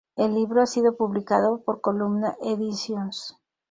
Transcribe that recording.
El libro ha sido publicado por Columna Edicions.